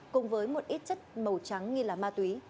cùng với một ít chất màu trắng nghi là ma túy